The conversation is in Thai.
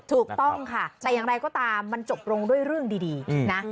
ถูกต้องค่ะแต่อย่างไรก็ตามมันจบลงด้วยเรื่องดีนะ